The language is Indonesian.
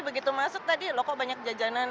begitu masuk tadi loh kok banyak jajanan